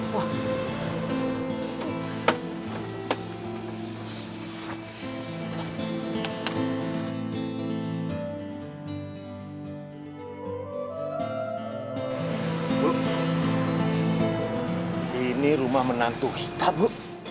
wah ini rumah menantu kita bu